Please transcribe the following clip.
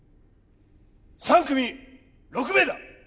３組６名だ！